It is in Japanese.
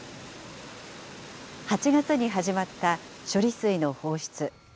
８月に始まった処理水の放出。